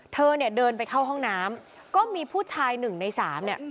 เธอเนี่ยเดินไปเข้าห้องน้ำก็มีผู้ชายหนึ่งในสามเนี่ย